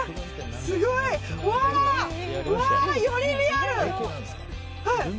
すごい！うわー、よりリアル！